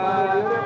pak mobilnya pak